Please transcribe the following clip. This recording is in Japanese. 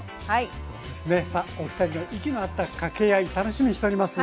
さあお二人の息の合った掛け合い楽しみにしております。